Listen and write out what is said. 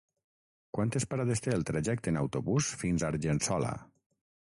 Quantes parades té el trajecte en autobús fins a Argençola?